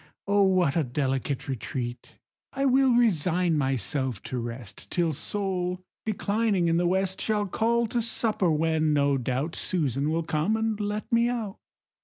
O what a delicate retreat! I will resign myself to rest Till Sol, declining in the west, Shall call to supper, when, no doubt, Susan will come and let me out."